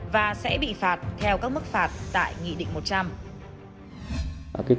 và sẽ bị phạt theo các mức phạt tại nghị định một trăm linh